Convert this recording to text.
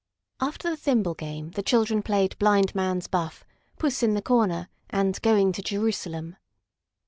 After the thimble game the children played "Blind Man's Buff," "Puss in the Corner" and "Going to Jerusalem."